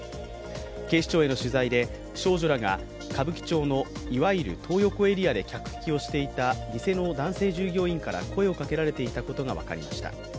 警視庁への取材で、少女らが歌舞伎町の、いわゆるトー横エリアで客引きをしていた店の男性従業員から声をかけられていたことが分かりました。